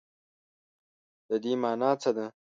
د دې مانا څه ده ؟